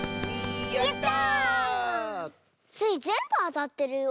やった！スイぜんぶあたってるよ。